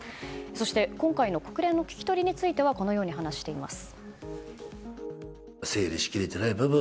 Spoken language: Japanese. そして今回の国連の聞き取りについてはこのように話しています。